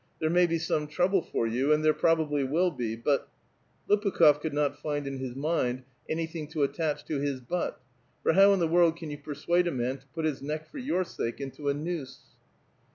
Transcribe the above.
There may be some trouble tor you, and there probably will be ; but —" Lopakh6f could not find in his mind anything to attach to his " but," for how in the world can you persuade a man to put his neck for your sake into a noose